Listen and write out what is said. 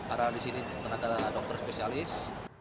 ada di sini tenaga dokter spesialis